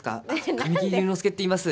神木隆之介って言います。